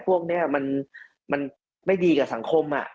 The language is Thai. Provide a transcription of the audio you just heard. พวกนี้มันไม่ดีกับสังคม